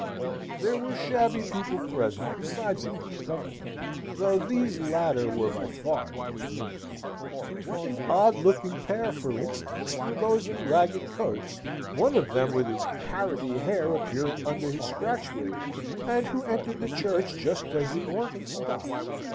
There were shabby people present, besides the fine company, though these latter were by far the most numerous. What an odd looking pair, for instance, were those in ragged coats, one of them with his carroty hair appearing under his scratch wig, and who entered the church just as the organ stopped!